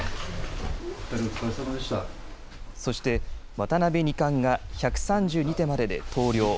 そして、渡辺二冠が１３２手までで投了。